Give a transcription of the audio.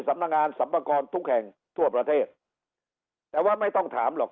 สำนักงานสรรพากรทุกแห่งทั่วประเทศแต่ว่าไม่ต้องถามหรอก